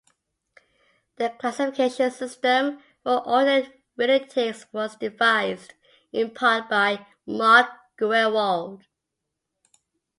The classification system for alternate realities was devised, in part, by Mark Gruenwald.